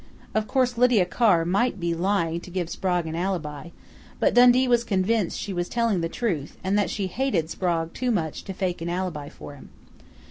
Of course Lydia Carr might be lying to give Sprague an alibi, but Dundee was convinced that she was telling the truth and that she hated Sprague too much to fake an alibi for him....